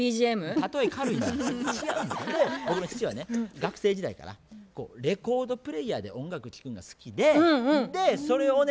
学生時代からレコードプレーヤーで音楽聴くんが好きでそれをね